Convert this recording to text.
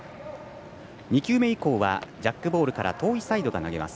２球目以降はジャックボールから遠いサイドが投げます。